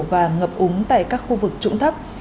và ngập úng tại các khu vực trụng thấp